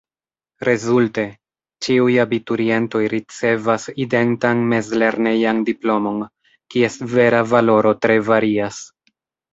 Rezulte: ĉiuj abiturientoj ricevas identan mezlernejan diplomon, kies vera valoro tre varias.